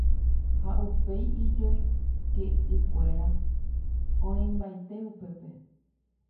ha upéi ijoyke'ykuéra oĩmbaite upépe